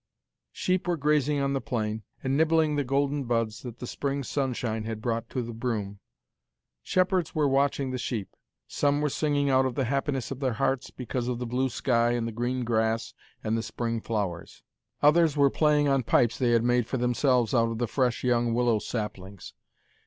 Sheep were grazing on the plain, and nibbling the golden buds that the spring sunshine had brought to the broom. Shepherds were watching the sheep. Some were singing out of the happiness of their hearts, because of the blue sky and the green grass and the spring flowers. Others were playing on pipes they had made for themselves out of the fresh young willow saplings.